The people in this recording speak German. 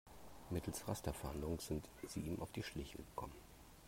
Mittels Rasterfahndung sind sie ihm auf die Schliche gekommen.